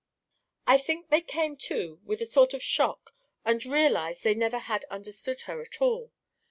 "I think they came to with a sort of shock and realised they never had understood her at all.